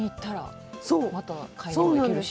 また買いに行けるし。